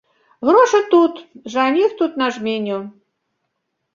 Грошы тут, жаніх тут на жменю.